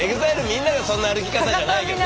みんながそんな歩き方じゃないよねえ？